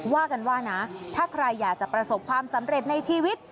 ว่ากันว่านะถ้าใครอยากจะประสบความสำเร็จในชีวิต